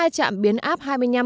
hai trạm biến áp